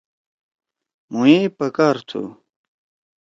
مھو یے پکار تھُو۔